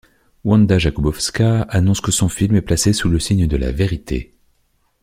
Wanda Jakubowska annonce que son film est placé sous le signe de la vérité.